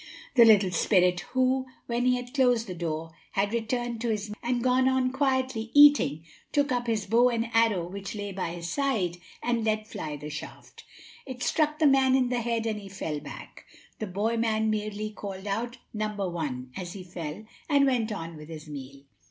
The little spirit, who, when he had closed the door, had returned to his meal and gone on quietly eating, took up his bow and arrow which lay by his side, and let fly the shaft. It struck the man in the head, and he fell back. The boy man merely called out, "Number one," as he fell, and went on with his meal.